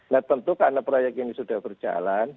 nah tentu karena proyek ini sudah berjalan